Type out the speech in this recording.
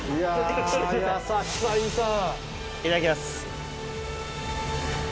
いただきます。